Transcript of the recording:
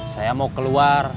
saya mau keluar